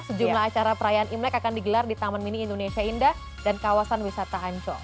sejumlah acara perayaan imlek akan digelar di taman mini indonesia indah dan kawasan wisata ancol